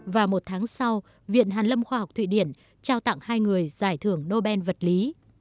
và một tháng sau viện hàn lâm khoa học thụy điển trao tặng hai người giải thưởng nobel vật lý